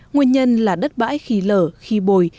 nguyên nhân là đất bãi khi lở khi bồi